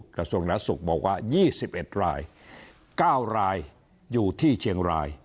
กระทรวงรัฐศูกย์บอกว่ายี่สิบเอ็ดรายเก้ารายอยู่ที่เชียงราย